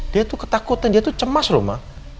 dia tuh ketakutan dia tuh cemas loh ma